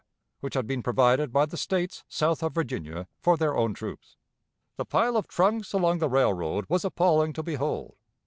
which had been provided by the States south of Virginia for their own troops. The pile of trunks along the railroad was appalling to behold.